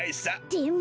でも。